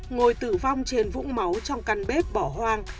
ngồi tử vong trên vũ máu trong căn bếp bỏ hoang